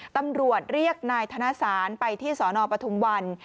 ตำรวจเรียกนายธนสารไปที่สนปทุมวัน